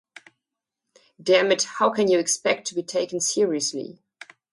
Der mit "How Can You Expect To Be Taken Seriously?